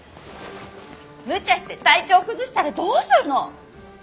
むちゃして体調崩したらどうするの！